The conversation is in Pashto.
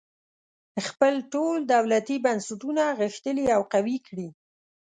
خپل ټول دولتي بنسټونه غښتلي او قوي کړي.